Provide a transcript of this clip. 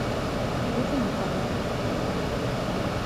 — Бөгөн үк алырһың.